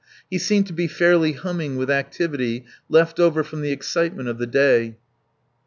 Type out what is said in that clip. He seemed to be fairly humming with activity left over from the excitement of the day.